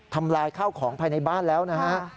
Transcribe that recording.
ทำลายข้าวของภายในบ้านแล้วนะฮะ